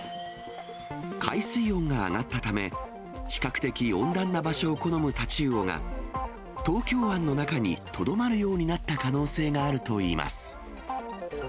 海水温が上がったため、比較的温暖な場所を好むタチウオが、東京湾の中にとどまるようになった可能性があるといいます。